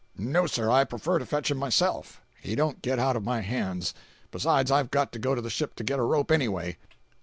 "No, sir, I prefer to fetch him myself—he don't get out of my hands. Besides, I've got to go to the ship to get a rope, anyway."